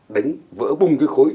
đánh vỡ bùng cái khối